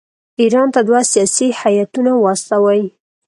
ایران ته دوه سیاسي هیاتونه واستوي.